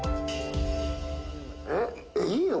えっ、いいの？